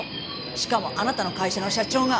しかもあなたの会社の社長が。